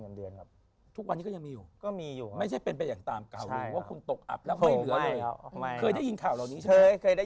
เขาแบ่งให้เป็นเงินเดือนครับ